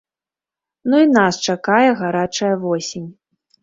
Ну і нас чакае гарачая восень.